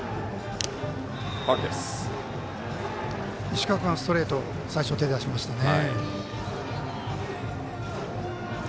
石川君はストレート最初、手を出しましたね。